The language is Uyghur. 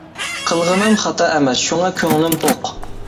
قىلغىنىم خاتا ئەمەس، شۇڭا كۆڭلۈم توق.